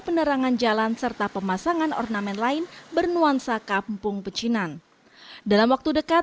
penerangan jalan serta pemasangan ornamen lain bernuansa kampung pecinan dalam waktu dekat